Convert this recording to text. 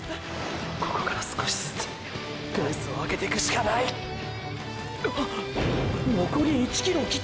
ここから少しずつペースを上げていくしかない！！っ！！